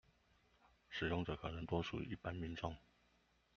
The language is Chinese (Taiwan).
使用者可能多屬一般民眾